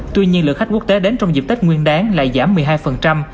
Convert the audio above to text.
tuy nhiên lượng khách quốc tế đến trong dịp tết nguyên đáng lại giảm một mươi hai